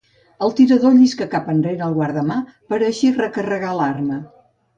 El tirador llisca cap enrere el guardamà per a així recarregar l'arma.